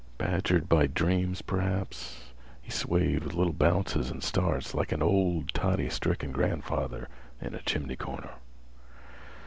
Badgered by dreams, perhaps, he swayed with little bounces and starts, like an old, toddy stricken grandfather in a chimney corner.